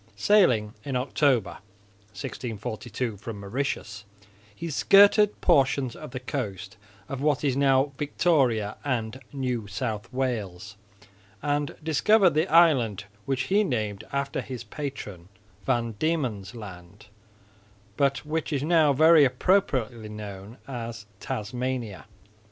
Sailing in October, 1642, from Mauritius, he skirted portions of the coast of what is now Victoria and New South Wales and discovered the island which he named after his patron Van Diemen's land, but which is now very appropriately known as Tasmania.